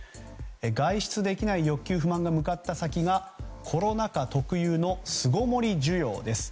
外出できない欲求不満が向かった先がコロナ禍特有の巣ごもり需要です。